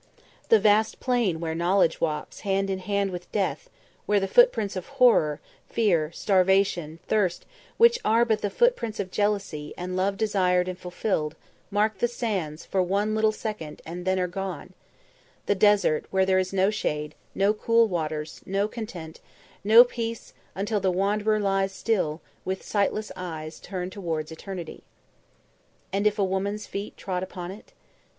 The vast plain where knowledge walks hand in hand with death; where the footprints of horror, fear, starvation, thirst, which are but the footprints of jealousy and love desired and fulfilled, mark the sands for one little second and then are gone; the desert, where there is no shade, no cool waters, no content, no peace until the wanderer lies still, with sightless eyes turned towards Eternity." "And if a woman's feet trod upon it?"